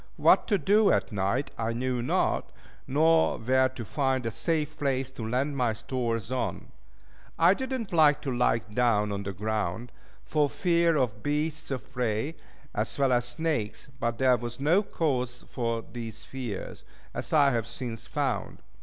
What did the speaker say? What to do at night I knew not, nor where to find a safe place to land my stores on. I did not like to lie down on the ground, for fear of beasts of prey, as well as snakes, but there was no cause for these fears, as I have since found.